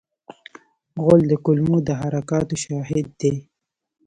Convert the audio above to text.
غول د کولمو د حرکاتو شاهد دی.